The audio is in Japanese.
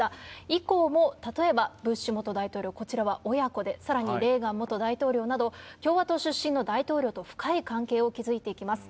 以降も例えばブッシュ元大統領、親子で、さらにレーガン元大統領など、共和党出身の大統領と深い関係を築いていきます。